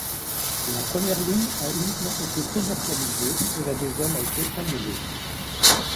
La première ligne a uniquement été commercialisée, et la deuxième a été annulée.